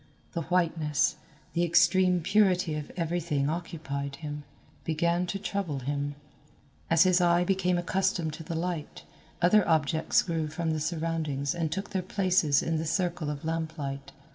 The whiteness, the extreme purity of everything occupied him began to trouble him. As his eye became accustomed to the light, other objects grew from the surroundings and took their places in the circle of lamplight.